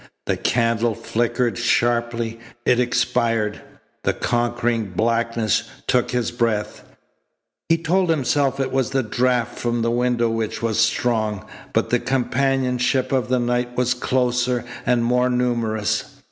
The candle flickered sharply. It expired. The conquering blackness took his breath. He told himself it was the draft from the window which was strong, but the companionship of the night was closer and more numerous.